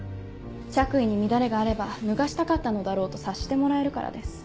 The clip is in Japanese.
着衣に乱れがあれば脱がしたかったのだろうと察してもらえるからです。